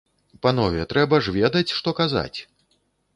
Панове, трэба ж ведаць, што казаць!